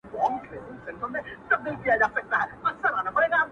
جهالت ته وکتل او د ا غزل مي ولیکل -